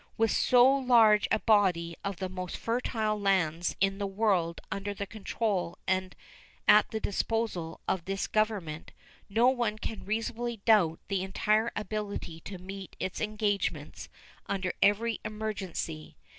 With so large a body of the most fertile lands in the world under the control and at the disposal of this Government, no one can reasonably doubt the entire ability to meet its engagements under every emergency.